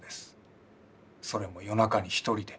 それも夜中に一人で。